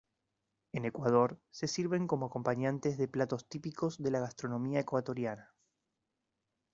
En Ecuador se sirven como acompañantes de platos típicos de la gastronomía ecuatoriana.